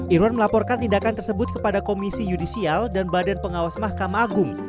irwan melaporkan tindakan tersebut kepada komisi yudisial dan badan pengawas mahkamah agung